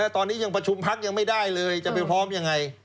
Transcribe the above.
ตอนนี้ยังประชุมพักยังไม่ได้เลยจะไปพร้อมยังไง